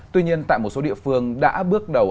tuy nhiên tại một số địa phương đã bước đầu